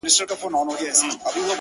ستا د يادونو فلسفې ليكلي ـ